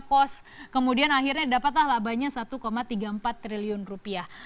kos kemudian akhirnya dapatlah labanya satu tiga puluh empat triliun rupiah